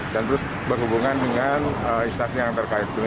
dan terus berhubungan dengan istana